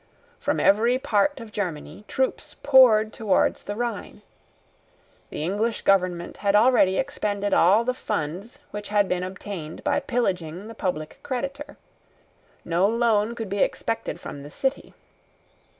From every part of Germany troops poured towards the Rhine. The English government had already expended all the funds which had been obtained by pillaging the public creditor. No loan could be expected from the City.